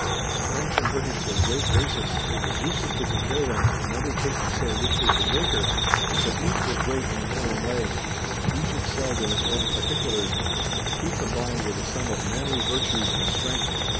The French and British were great races, it was useless to compare them and undertake to say which was the greater, because each was great in its own way, and each excelled in its own particulars, but the two combined were the sum of manly virtues and strength.